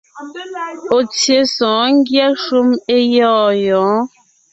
Ɔ̀ tsyé sɔ̌ɔn ngyɛ́ shúm é gyɔ̂ɔn gyɔ̌ɔn.